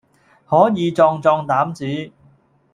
可以壯壯膽子。